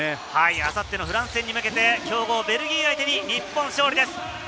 あさってのフランス戦に向けて強豪ベルギーに対して日本勝利です。